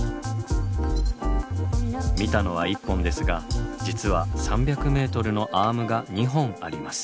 見たのは１本ですが実は３００ｍのアームが２本あります。